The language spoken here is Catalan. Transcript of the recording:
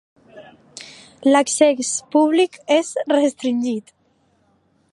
L'accés públic és restringit.